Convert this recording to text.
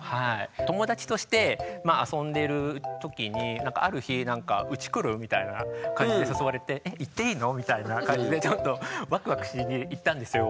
友達として遊んでる時にある日「うち来る？」みたいな感じで誘われてえっ行っていいの？みたいな感じでちょっとワクワクして行ったんですよ。